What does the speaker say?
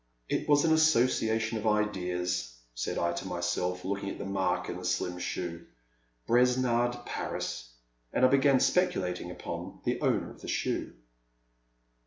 '* It was an association of ideas/' said I to my self, looking at the mark in the slim shoe. *' Bes nard — Paris. '* And I began speculating upon the owner of the shoe.